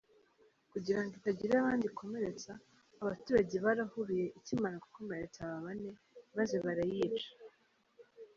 Kugira ngo itagira abandi ikomeretsa, abaturage barahuruye ikimara gukomeretsa aba bane, maze barayica.